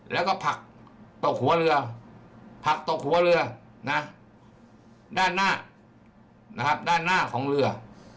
แล้วก็ผักตกหัวเรือผักตกหัวเรือนะด้านหน้านะครับด้านหน้าของเรือ